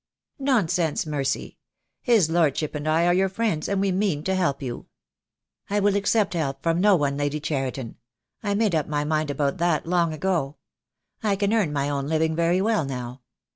"Nonsense, Mercy. His Lordship and I are your friends, and we mean to help you." "I will accept help from no one, Lady Cheriton. I made up my mind about that long ago. I can earn my own living very well now.